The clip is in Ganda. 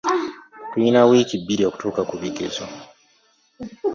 Tuyina wiiki bbiri okutuuka ku bigezo.